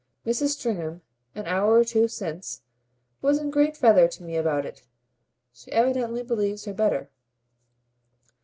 Mrs. Stringham, an hour or two since, was in great feather to me about it. She evidently believes her better."